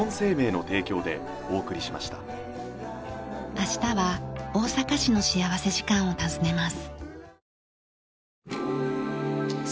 明日は大阪市の幸福時間を訪ねます。